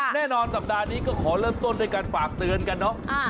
แน่นอนสัปดาห์นี้ก็ขอเริ่มต้นด้วยการฝากเตือนกันเนอะ